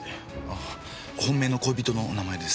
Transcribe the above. あ本命の恋人の名前です。